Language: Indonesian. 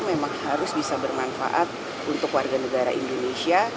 memang harus bisa bermanfaat untuk warga negara indonesia